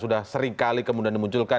sudah seringkali kemudian dimunculkan